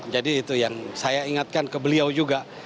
jadi itu yang saya ingatkan ke beliau juga